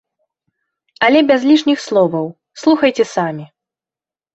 Але без лішніх словаў, слухайце самі!